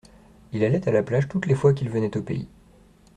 Il allait à la plage toutes les fois qu’il venait au pays.